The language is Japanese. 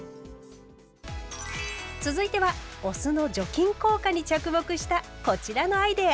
続いてはお酢の除菌効果に着目したこちらのアイデア。